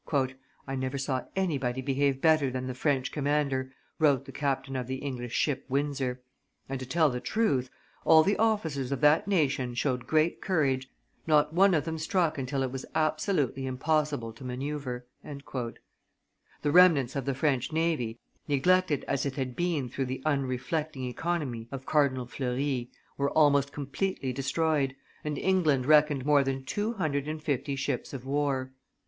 "I never saw anybody behave better than the French commander," wrote the captain of the English ship Windsor; "and, to tell the truth, all the officers of that nation showed great courage; not one of them struck until it was absolutely impossible to manoeuvre." The remnants of the French navy, neglected as it had been through the unreflecting economy of Cardinal Fleury, were almost completely destroyed, and England reckoned more than two hundred and fifty ships of war.